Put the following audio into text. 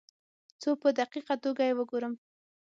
څو په دقیقه توګه یې وګورم.